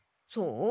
そう？